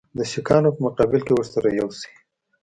د سیکهانو په مقابل کې ورسره یو شي.